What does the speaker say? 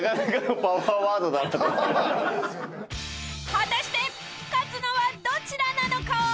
［果たして勝つのはどちらなのか］